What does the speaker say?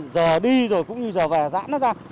giờ đi rồi cũng như giờ về giãn nó ra